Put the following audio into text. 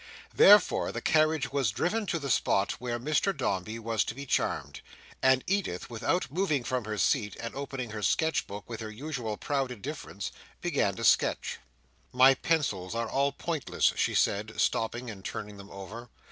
Therefore the carriage was driven to the spot where Mr Dombey was to be charmed; and Edith, without moving from her seat, and opening her sketch book with her usual proud indifference, began to sketch. "My pencils are all pointless," she said, stopping and turning them over.